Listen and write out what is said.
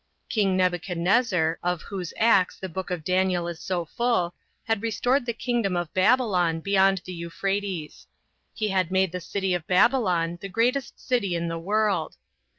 King Nebuchadnezzar, of whose acts the book of Daniel is so full, had restored the kingdom of Babylon, beyond the Euphrates. He had made the city of Babylon, the greatest city in the world.